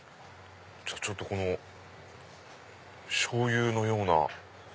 ちょっとこのしょうゆのような。